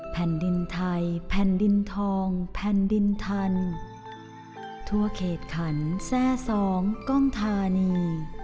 แผ่นดินไทยแผ่นดินทองแผ่นดินทันทั่วเขตขันแทร่สองกล้องธานี